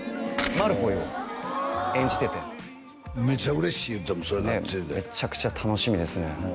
マルフォイを演じててめちゃ嬉しい言ったもんそれがっつりでめちゃくちゃ楽しみですね